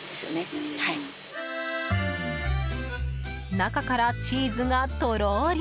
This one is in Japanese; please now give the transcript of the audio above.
中からチーズがとろーり。